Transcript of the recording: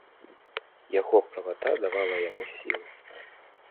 Яго правата давала яму сілу.